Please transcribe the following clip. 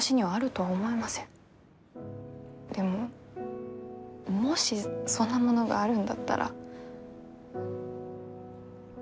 でももしそんなものがあるんだったら見つけましょう。